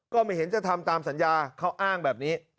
ก็ไม่เห็นจะทำตามสัญญาเขาอ้างแบบนี้